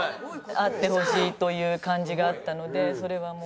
あってほしいという感じがあったのでそれはもう。